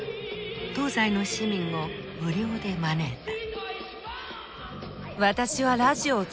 東西の市民を無料で招いた。